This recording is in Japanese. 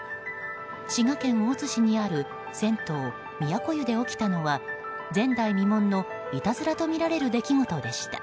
滋賀県大津市にある銭湯都湯で起きたのは前代未聞のいたずらとみられる出来事でした。